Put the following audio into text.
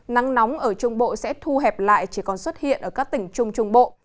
nắng nóng ở trung bộ sẽ thu hẹp lại chỉ còn xuất hiện ở các tỉnh trung trung bộ